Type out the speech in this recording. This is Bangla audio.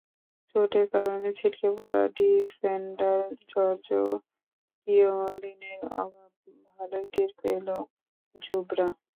চোটের কারণে ছিটকে পড়া ডিফেন্ডার জর্জো কিয়োলিনের অভাব ভালোই টের পেল জুভরা।